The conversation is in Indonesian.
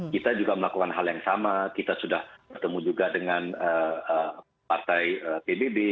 kita juga melakukan hal yang sama kita sudah bertemu juga dengan partai pbb